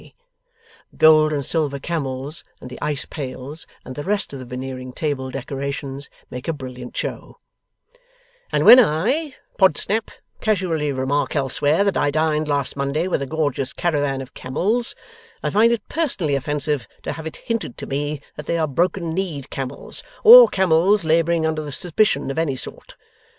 The gold and silver camels, and the ice pails, and the rest of the Veneering table decorations, make a brilliant show, and when I, Podsnap, casually remark elsewhere that I dined last Monday with a gorgeous caravan of camels, I find it personally offensive to have it hinted to me that they are broken kneed camels, or camels labouring under suspicion of any sort.